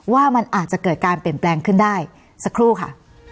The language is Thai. ว่ามันอาจจะเกิดการเปลี่ยนแปลงขึ้นได้สักครู่ค่ะ